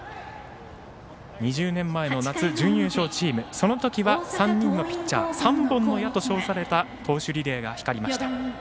２０年前の夏準優勝チームそのときは３人のピッチャー三本の矢と称された投手リレーが光りました。